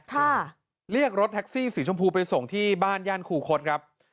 เรียกรถแท็กซี่สีชมพูไปส่งที่บ้านย่านคูคศครับ